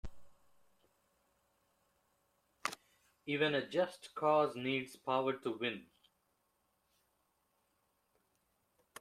Even a just cause needs power to win.